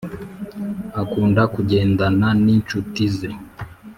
akunda kugendana ni inshuti ze